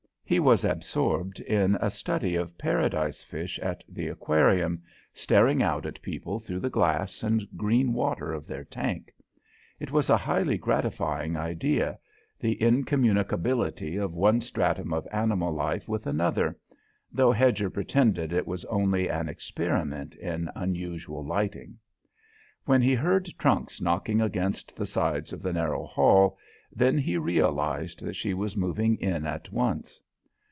He was absorbed in a study of paradise fish at the Aquarium, staring out at people through the glass and green water of their tank. It was a highly gratifying idea; the incommunicability of one stratum of animal life with another, though Hedger pretended it was only an experiment in unusual lighting. When he heard trunks knocking against the sides of the narrow hall, then he realized that she was moving in at once.